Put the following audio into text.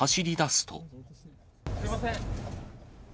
すみません！